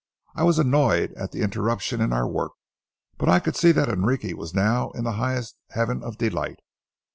I was annoyed at the interruption in our work, but I could see that Enrique was now in the highest heaven of delight.